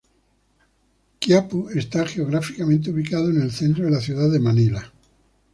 Quiapo está geográficamente ubicado en el centro de la ciudad de Manila.